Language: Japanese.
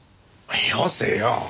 よせよ。